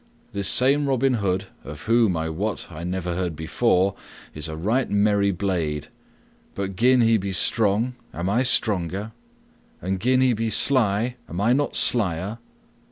This same Robin Hood, of whom, I wot, I never heard before, is a right merry blade, but gin he be strong, am not I stronger? And gin he be sly, am not I slyer?